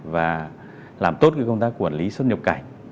và làm tốt công tác quản lý xuất nhập cảnh